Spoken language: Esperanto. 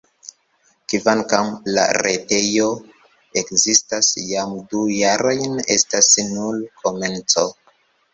Kvankam la retejo ekzistas jam du jarojn, estas nur komenco.